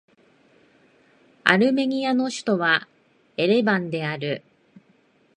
アルメニアの首都はエレバンである